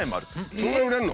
そんな売れんの？